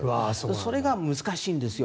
それが難しいんですよ。